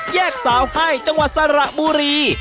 แยกสาวให้จังหวัดสระบุรี